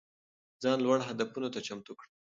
ځان لوړو هدفونو ته چمتو کړه.